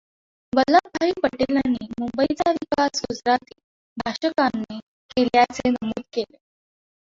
वल्लभभाई पटेलांनी मुंबईचा विकास गुजराती भाषकांनी केल्याचे नमूद केले.